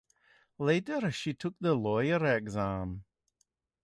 Later she took the lawyer exam.